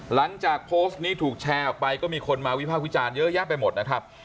หลังจากโพสต์นี้ถูกแชร์ออกไปก็มีคนมาวิภาควิจารณ์เยอะแยะไปหมดนะครับ